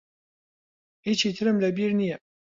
هیچی ترم لە بیر نییە.